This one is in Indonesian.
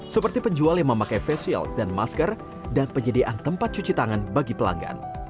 seperti penjual yang memakai face shield dan masker dan penyediaan tempat cuci tangan bagi pelanggan